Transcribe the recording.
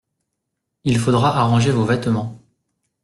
Il faudra arranger vos vêtements.